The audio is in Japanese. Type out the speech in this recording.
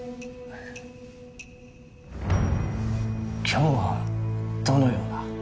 今日はどのような。